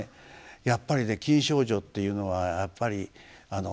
やっぱりね錦祥女っていうのはやっぱり苦労の末ね